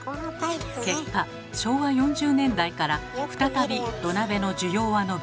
結果昭和４０年代から再び土鍋の需要は伸び